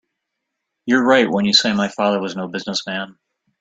You're right when you say my father was no business man.